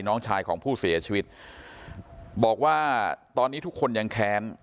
น้องชายของผู้เสียชีวิตบอกว่าตอนนี้ทุกคนยังแค้น